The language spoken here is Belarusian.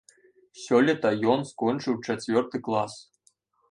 Сёлета ён скончыў чацвёрты клас.